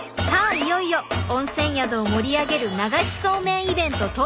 いよいよ温泉宿を盛り上げる流しそうめんイベント当日！